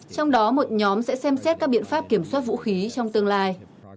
trong đó một nhóm sẽ xem xét các biện pháp kiểm soát vũ khí trong tương lai